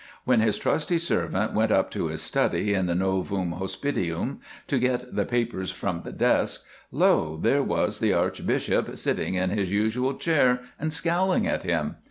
When his trusty servant went up to his study in the Novum Hospitium to get the papers from the desk, lo! there was the Archbishop sitting in his usual chair and scowling at him.